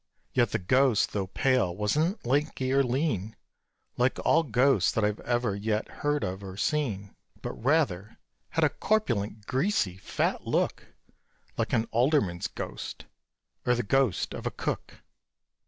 Yet the ghost, though pale, wasn't lanky or lean, Like all ghosts that I've ever yet heard of or seen, But had rather a corpulent, greasy, fat look, Like an alderman's ghost, or the ghost of a cook.